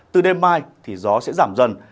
từ đêm mai thì gió sẽ giảm dần